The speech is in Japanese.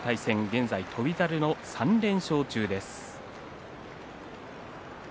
現在、翔猿の３連勝中です。